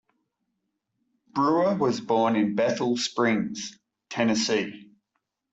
Brewer was born in Bethel Springs, Tennessee.